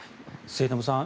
末延さん